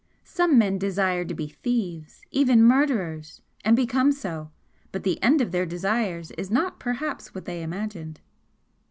Some men desire to be thieves even murderers and become so but the end of their desires is not perhaps what they imagined!"